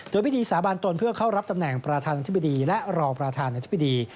โดยพิธีสาบานตนเพื่อเข้ารับตำแหน่งประธานาธิบดีและรองประธานาธิบดี